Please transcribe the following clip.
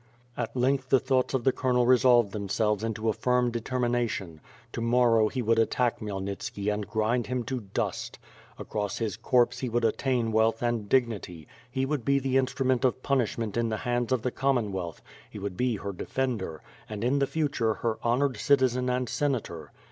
At length the thoughts of the colonel resolved themselves into a firm determination. To morrow he would attack Khmyelnitski and grind him to dust. Across his corpse he would attain wealth and dignity; he would be the instrument of punishment in the hands of the Commonwealth; he would be her defender, and in the future her honored citizen and senator.